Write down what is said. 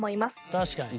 確かに。